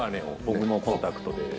僕もコンタクトです。